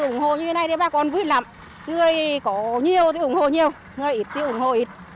ủng hộ như thế này thì bà con vui lắm người có nhiều thì ủng hộ nhiều người ít thì ủng hộ ít